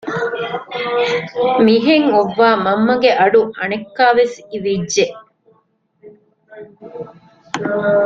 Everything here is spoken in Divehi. މިހެން އޮއްވާ މަންމަގެ އަޑު އަނެއްކާވެސް އިވިއްޖެ